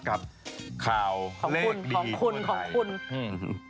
กับข่าวเลขดีงวดไทยของคุณของคุณของคุณ